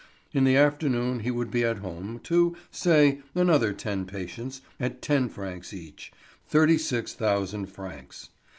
In the afternoon he would be at home to, say, another ten patients, at ten francs each—thirty six thousand francs.